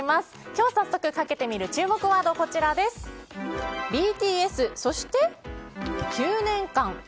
今日早速かけてみる注目ワードはＢＴＳ、そして９年間。